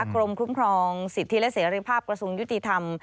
กรมคุ้มครองสิทธิและเสรีภาพกระทรวงยุติธรรม